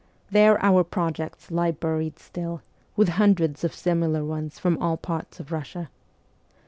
There our projects lie buried still, with hundreds of similar ones from all parts of Kussia.